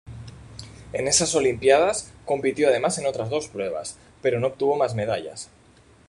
En esas Olimpiadas, compitió además en otras dos pruebas, pero no obtuvo más medallas.